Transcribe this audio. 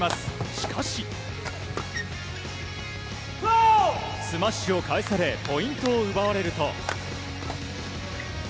しかしスマッシュを返されポイントを奪われると。